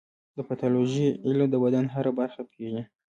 د پیتالوژي علم د بدن هره برخه پېژني.